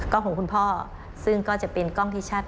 ของคุณพ่อซึ่งก็จะเป็นกล้องที่ชัด